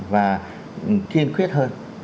và kiên quyết hơn